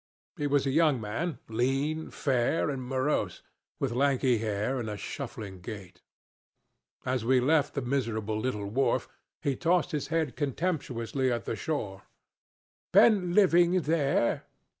He was a young man, lean, fair, and morose, with lanky hair and a shuffling gait. As we left the miserable little wharf, he tossed his head contemptuously at the shore. 'Been living there?'